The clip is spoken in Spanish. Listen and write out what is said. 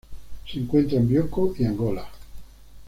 Se encuentra en Bioko y Angola.